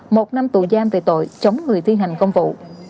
một năm tù giam về tội chống người thi hành công vụ